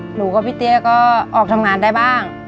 หนูกับพี่เตี้ยก็ออกทำงานได้บ้าง